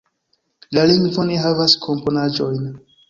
La lingvo ne havas komponaĵojn.